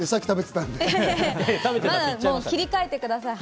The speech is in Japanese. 切り替えてください。